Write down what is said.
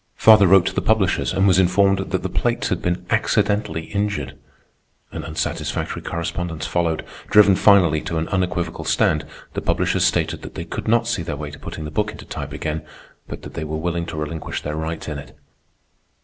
Father wrote to the publishers and was informed that the plates had been accidentally injured. An unsatisfactory correspondence followed. Driven finally to an unequivocal stand, the publishers stated that they could not see their way to putting the book into type again, but that they were willing to relinquish their rights in it.